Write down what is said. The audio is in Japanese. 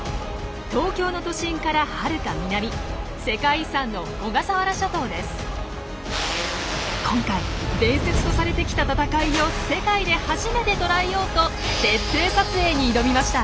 東京の都心からはるか南世界遺産の今回伝説とされてきた闘いを世界で初めて捉えようと徹底撮影に挑みました。